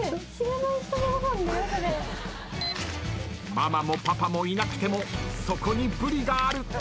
ママもパパもいなくてもそこにブリがある。